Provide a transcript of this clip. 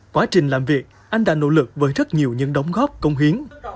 quá trình làm việc anh đã nỗ lực với rất nhiều những đóng góp công hiến